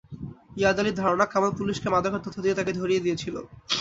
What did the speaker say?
ইয়াদ আলীর ধারণা, কামাল পুলিশকে মাদকের তথ্য দিয়ে তাকে ধরিয়ে দিয়েছিল।